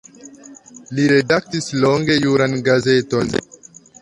Li redaktis longe juran gazeton.